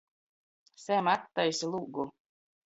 Sem, attaisi lūgu!